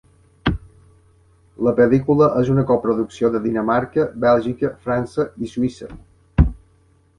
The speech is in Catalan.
La pel·lícula és una coproducció de Dinamarca, Bèlgica, França i Suïssa.